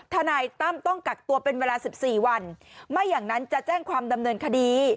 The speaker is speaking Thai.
ทนายตั้มต้องกักตัวเป็นเวลา๑๔วันไม่อย่างนั้นจะแจ้งความดำเนินคดี